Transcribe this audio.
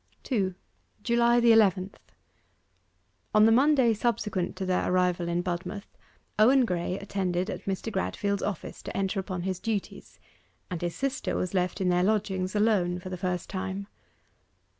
2. JULY THE ELEVENTH On the Monday subsequent to their arrival in Budmouth, Owen Graye attended at Mr. Gradfield's office to enter upon his duties, and his sister was left in their lodgings alone for the first time.